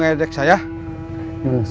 kayaknya enggak mau lihat